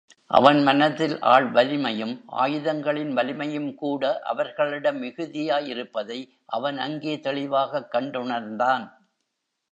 அவன் மனதில் ஆள் வலிமையும், ஆயுதங்களின் வலிமையும் கூட அவர்களிடம் மிகுதியாய் இருப்பதை அவன் அங்கே தெளிவாகக் கண்டுணர்ந்தான்.